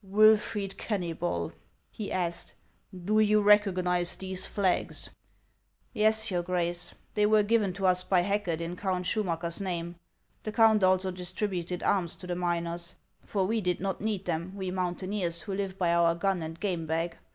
Wilfred Kenuybol," he asked, " do you recognize these flags ?"" Yes, your Grace ; they were given to us by Hacket in Count Schumacker' s name. The count also distributed arms to the miners ; for we did not need them, we moun taineers, who live by our gun and game bag.